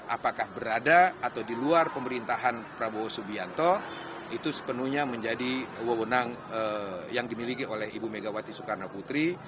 apakah berada atau di luar pemerintahan prabowo subianto itu sepenuhnya menjadi wewenang yang dimiliki oleh ibu megawati soekarno putri